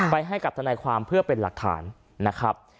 ให้กับทนายความเพื่อเป็นหลักฐานนะครับ